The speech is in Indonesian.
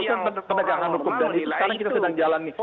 dan itu sekarang kita sedang jalani